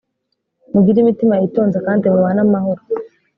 mugire imitima yitonze kandi mubane amahoro